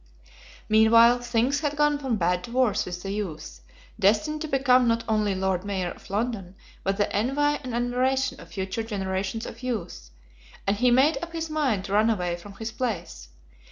Meanwhile, things had gone from bad to worse with the youth, destined to become not only Lord Mayor of London, but the envy and admiration of future generations of youths; and he made up his mind to run away from his place.